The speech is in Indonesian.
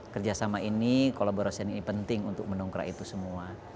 kerjasama ini kolaborasi ini penting untuk mendongkrak itu semua